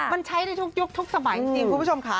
มันใช้ได้ทุกยุคทุกสมัยจริงคุณผู้ชมค่ะ